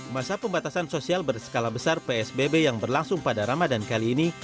masa pembatasan sosial berskala besar psbb yang berlangsung pada ramadan kali ini